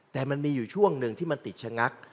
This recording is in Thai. แต่มันมีอยู่ช่วงหนึ่งที่มันติดชะงัก